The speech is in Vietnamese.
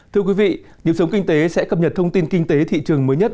thưa quý vị nhiệm sống kinh tế sẽ cập nhật thông tin kinh tế thị trường mới nhất